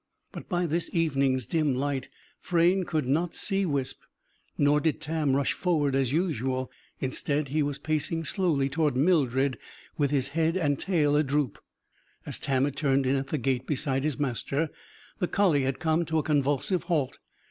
But, by this evening's dim light, Frayne could not see Wisp. Nor did Tam rush forward as usual. Instead, he was pacing slowly toward Mildred, with head and tail adroop. As Tam had turned in at the gate beside his master, the collie had come to a convulsive halt.